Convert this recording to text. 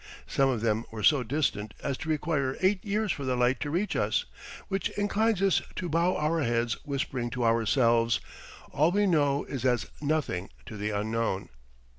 Some of them were so distant as to require eight years for their light to reach us, which inclines us to bow our heads whispering to ourselves, "All we know is as nothing to the unknown."